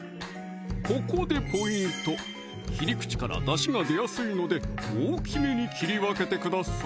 ここでポイント切り口からだしが出やすいので大きめに切り分けてください